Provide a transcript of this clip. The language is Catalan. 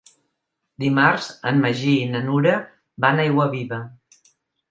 Dimarts en Magí i na Nura van a Aiguaviva.